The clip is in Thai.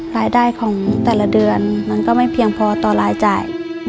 รายได้ของแต่ละเดือนมันก็ไม่เพียงพอต่อรายจ่าย